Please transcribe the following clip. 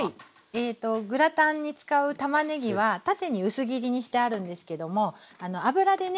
えっとグラタンに使うたまねぎは縦に薄切りにしてあるんですけども油でね